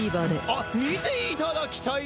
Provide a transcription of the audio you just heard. あっ見ていただきたい！